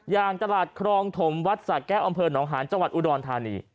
อย่างตลาดคลองถมวัดสะแก๊ปอนองฮานจอุดรณ์ธานี